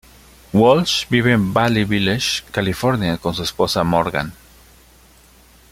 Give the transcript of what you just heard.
Walsh vive en Valley Village, California, con su esposa Morgan.